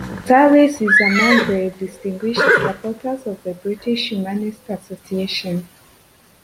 Tallis is among the Distinguished Supporters of the British Humanist Association.